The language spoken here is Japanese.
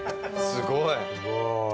すごい。